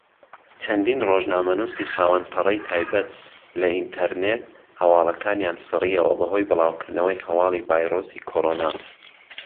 چەندین ڕۆژنامەنووسی خاوەن پەڕەی تایبەت لە ئینتەرنێت هەواڵەکانیان سڕیەوە بەهۆی بڵاوکردنەوەی هەواڵی ڤایرۆسی کۆڕۆنا.